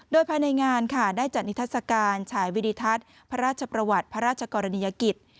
โดยภายในงานค่ะได้จัดนิทัศกาลฉายวิดิทัศน์พระราชประวัติพระราชกรณียกิจ